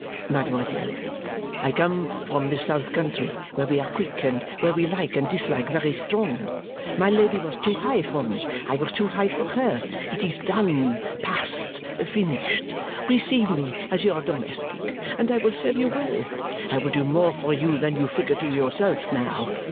"Mademoiselle, I come from the South country where we are quick and where we like and dislike very strong. My Lady was too high for me; I was too high for her. It is done past finished! Receive me as your domestic, and I will serve you well. I will do more for you than you figure to yourself now.